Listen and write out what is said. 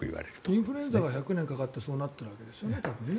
インフルエンザは１００年かかってそうなったわけですよね